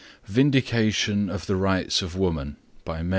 VINDICATION OF THE RIGHTS OF WOMAN.